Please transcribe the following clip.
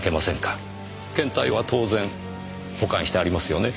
検体は当然保管してありますよね？